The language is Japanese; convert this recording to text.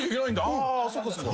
ああそっかそっか。